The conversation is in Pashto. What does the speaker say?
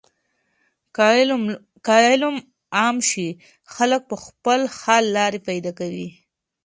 که علم عام شي، خلک په خپله د حل لارې پیدا کوي.